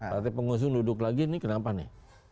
berarti pengusung duduk lagi kenapa nih